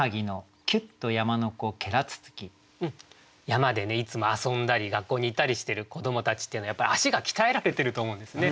山でねいつも遊んだり学校に行ったりしてる子どもたちっていうのはやっぱり足が鍛えられてると思うんですね。